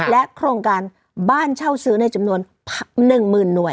โครงการบ้านเช่าซื้อในจำนวน๑๐๐๐หน่วย